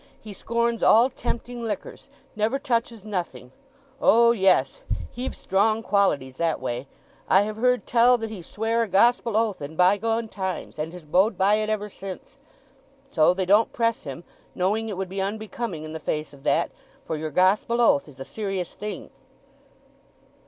He scorns all tempting liquors; never touches nothing. O yes, he've strong qualities that way. I have heard tell that he sware a gospel oath in bygone times, and has bode by it ever since. So they don't press him, knowing it would be unbecoming in the face of that: for yer gospel oath is a serious thing."